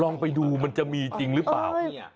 ลองไปดูมันจะมีจริงหรือเปล่า